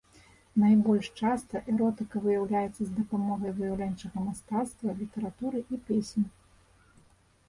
Найбольш часта эротыка выяўляецца з дапамогай выяўленчага мастацтва, літаратуры і песень.